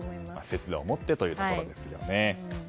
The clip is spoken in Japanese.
節度を持ってということですね。